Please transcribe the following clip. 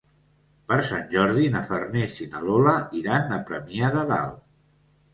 Per Sant Jordi na Farners i na Lola iran a Premià de Dalt.